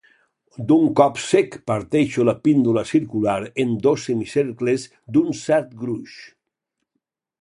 D'un cop sec parteixo la píndola circular en dos semicercles d'un cert gruix.